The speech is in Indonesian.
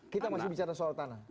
kita masih bicara soal tanah